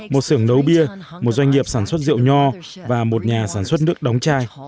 một xưởng nấu bia một doanh nghiệp sản xuất rượu nho và một nhà sản xuất nước đóng chai